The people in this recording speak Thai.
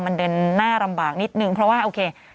มันเดินหน้าลำบากนิดนึงเพราะว่าโอเค